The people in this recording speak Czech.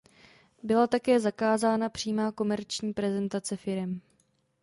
Byla také zakázána přímá komerční prezentace firem.